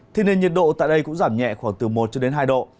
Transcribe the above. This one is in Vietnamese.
thì nền nhiệt độ tại đây cũng giảm nhẹ khoảng từ một hai độ